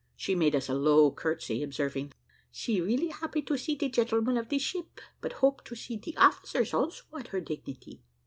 She made us a low curtsy, observing, "She really happy to see de gentlemen of de ship, but hoped to see de officers also at her dignity."